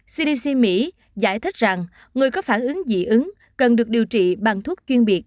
cdc mỹ giải thích rằng người có phản ứng dị ứng cần được điều trị bằng thuốc chuyên biệt